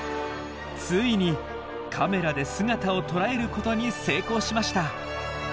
ついにカメラで姿をとらえることに成功しました。